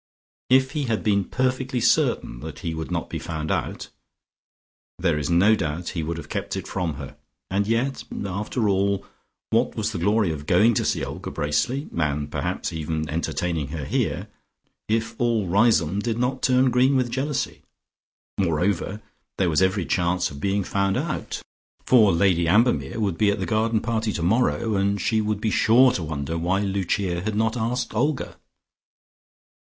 If he had been perfectly certain that he would not be found out, there is no doubt he would have kept it from her, and yet, after all, what was the glory of going to see Olga Bracely (and perhaps even entertaining her here) if all Riseholme did not turn green with jealousy? Moreover there was every chance of being found out, for Lady Ambermere would be at the garden party tomorrow, and she would be sure to wonder why Lucia had not asked Olga.